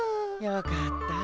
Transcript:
よかった。